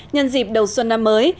nhân dịp đầu xuân năm mới